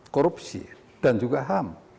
korupsi dan juga ham